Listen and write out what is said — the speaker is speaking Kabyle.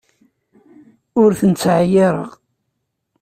Ur ten-ttɛeyyiṛeɣ.